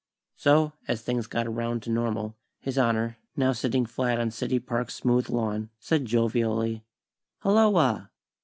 So, as things got around to normal, His Honor, now sitting flat on City Park's smooth lawn, said, jovially: "Hulloa."